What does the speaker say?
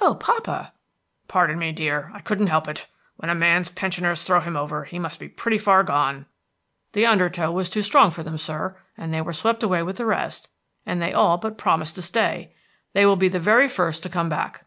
"Oh, papa!" "Pardon me, dear; I couldn't help it. When a man's pensioners throw him over, he must be pretty far gone!" "The undertow was too strong for them, sir, and they were swept away with the rest. And they all but promised to stay. They will be the very first to come back."